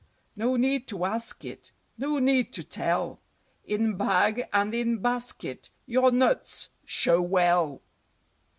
No need to ask it; No need to tell; In Bag and in Basket Your nuts show well!